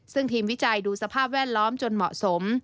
ซึ่งทีมวิจัยดูสภาพแวดล้อมจนเหมาะสม